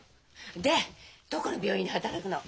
でどこの病院で働くの？